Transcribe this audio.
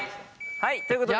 はいということで。